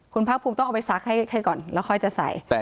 คุณภาคภูมิต้องเอาไปซักให้ก่อนแล้วค่อยจะใส่